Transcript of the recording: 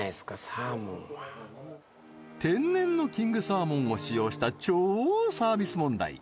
サーモンは天然のキングサーモンを使用した超サービス問題